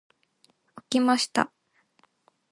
起きました。